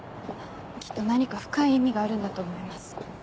きっと何か深い意味があるんだと思います。